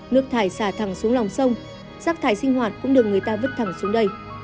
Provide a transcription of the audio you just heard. nước thải xả thẳng xuống lòng sông rác thải sinh hoạt cũng được người ta vứt thẳng xuống đây